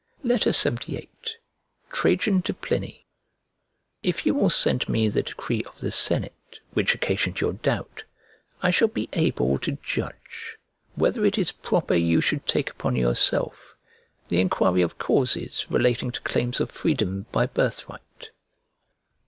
LXXVIII TRAJAN TO PLINY IF you will send me the decree of the senate, which occasioned your doubt, I shall be able to judge whether it is proper you should take upon yourself the enquiry of causes relating to claims of freedom by birth right.